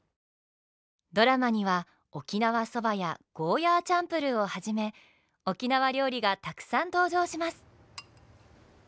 ドラマには沖縄そばやゴーヤーチャンプルーをはじめ沖縄料理がたくさん登場します。